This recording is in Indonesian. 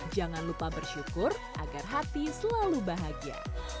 jangan lupa bersyukur agar hati selalu bahagia